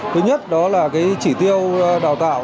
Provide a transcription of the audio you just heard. thứ nhất đó là cái trí tiêu đào tạo